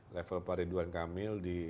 level pak ridwan kamil di